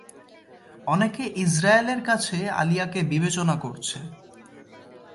অনেকে ইস্রায়েলের কাছে আলিয়াকে বিবেচনা করছে।